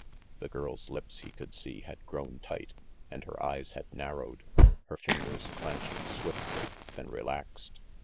The girl's lips, he could see, had grown tight, and her eyes had narrowed. Her fingers clenched swiftly, then relaxed.